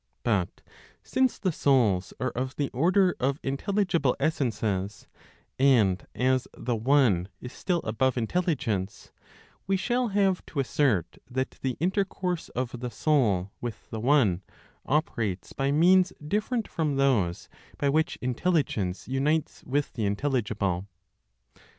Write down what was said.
But since the souls are of the order of intelligible (essences), and as the One is still above Intelligence, we shall have to assert that the intercourse of the soul with the One operates by means different from those by which Intelligence unites with the intelligible.